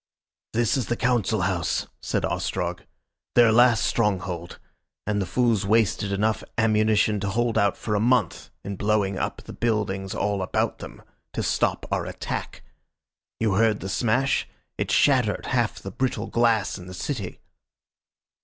"This is the Council House," said Ostrog. "Their last stronghold. And the fools wasted enough ammunition to hold out for a month in blowing up the buildings all about them to stop our attack. You heard the smash? It shattered half the brittle glass in the city."